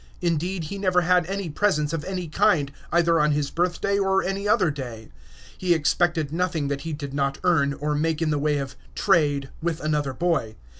Indeed, he never had any presents of any kind, either on his birthday or any other day. He expected nothing that he did not earn, or make in the way of "trade" with another boy.